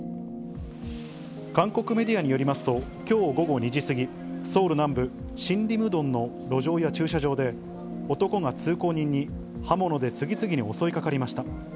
韓国メディアによりますと、きょう午後２時過ぎ、ソウル南部シンリムドンの路上や駐車場で、男が通行人に刃物で次々に襲いかかりました。